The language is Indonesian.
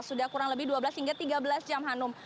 sudah kurang lebih dua belas hingga tiga belas jam hanum